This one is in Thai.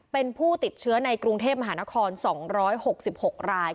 เป็นผู้ติดเชื้อในกรุงเทพมหานคร๒๖๖ราย